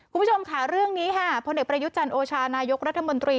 คุณผู้ชมค่ะเรื่องนี้ค่ะพลเอกประยุจันทร์โอชานายกรัฐมนตรี